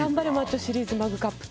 シリーズマグカップ。